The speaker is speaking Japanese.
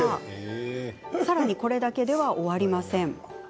さらにこれだけでは終わりません。